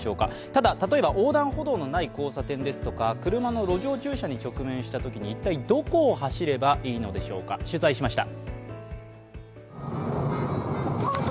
ただ例えば横断歩道のない交差点ですとか車の路上駐車に直面したときに一体どこを走ればいいのでしょぅか、取材しました。